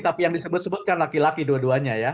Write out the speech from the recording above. tapi yang disebut sebutkan laki laki dua duanya ya